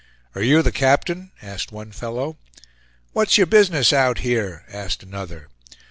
"Are you the captain?" asked one fellow. "What's your business out here?" asked another.